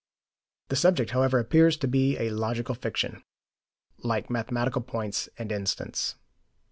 The subject, however, appears to be a logical fiction, like mathematical points and instants.